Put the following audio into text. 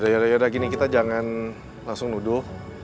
yaudah gini kita jangan langsung nuduh